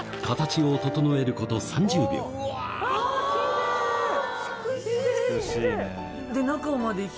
形を整えること３０秒うわぁ！